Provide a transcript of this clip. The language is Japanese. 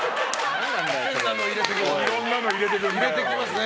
いろんなの入れてくるね。